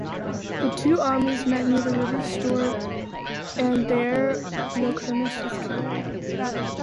The two armies met near the River Stour and there Locrinus was killed.